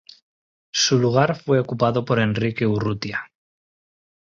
Su lugar fue ocupado por Enrique Urrutia.